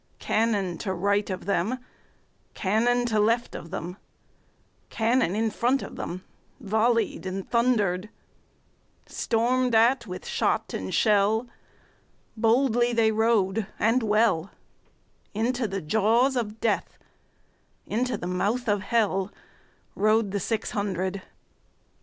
Cannon to right of them, Cannon to left of them, Cannon in front of themVolley'd and thunder'd; Storm'd at with shot and shell, Boldly they rode and well, Into the jaws of Death, Into the mouth of HellRode the six hundred.